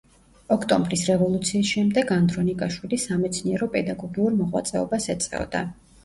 ოქტომბრის რევოლუციის შემდეგ ანდრონიკაშვილი სამეცნიერო-პედაგოგიურ მოღვაწეობას ეწეოდა.